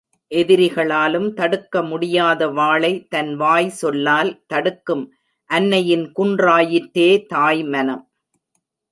எதிரிகளாலும் தடுக்க முடியாத வாளை தன் வாய் சொல்லால் தடுக்கும் அன்னையின் குன்றா யிற்றே தாய் மனம்.